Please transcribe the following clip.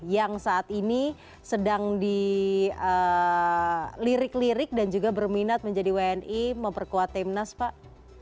yang saat ini sedang dilirik lirik dan juga berminat menjadi wni memperkuat timnas pak